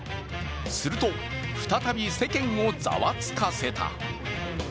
すると、再び世間をざわつかせた。